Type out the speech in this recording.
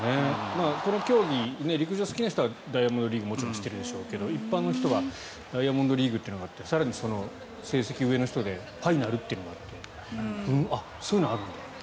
この競技陸上が好きな人はダイヤモンドリーグはもちろん知っているでしょうけど一般の人はダイヤモンドリーグというのがあって更にその成績の上の人でファイナルというのがあってそういうのがあるんだって。